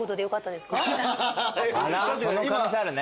その可能性あるね。